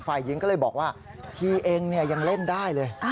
ฝ่ายหญิงก็เลยบอกว่าทีเองยังเล่นได้เลย